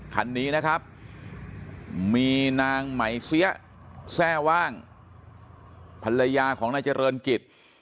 คันนี้นะครับมีนางไหมเสียแทร่ว่างภรรยาของนายเจริญกิจ